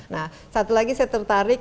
nah satu lagi saya tertarik